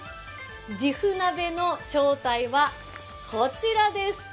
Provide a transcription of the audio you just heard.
じふ鍋の正体はこちらです。